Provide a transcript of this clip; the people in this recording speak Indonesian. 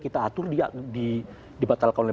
kita atur dibatalkan oleh